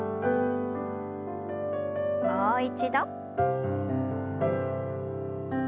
もう一度。